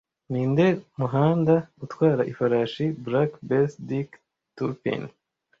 Ninde muhanda utwara ifarashi Black Bess Dick Turpin